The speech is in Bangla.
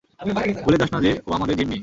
ভুলে যাস না যে ও আমাদের জিম্মি।